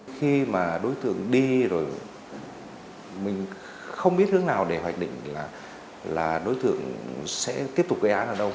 khi mà đối tượng đi rồi mình không biết hướng nào để hoạch định là đối tượng sẽ tiếp tục gây án ở đâu